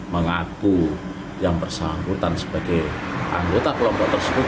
mengaku yang bersangkutan sebagai anggota kelompok tersebut